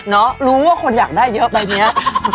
เนอะรู้ว่าคนอยากได้เยอะไปเนี่ย